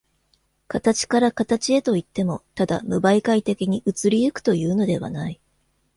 形から形へといっても、ただ無媒介的に移り行くというのではない。